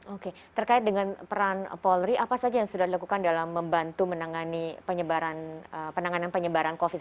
oke terkait dengan peran polri apa saja yang sudah dilakukan dalam membantu menangani penanganan penyebaran covid sembilan